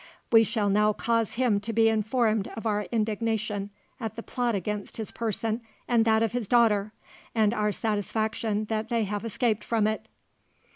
We shall now cause him to be informed of our indignation at the plot against his person and that of his daughter, and our satisfaction that they have escaped from it.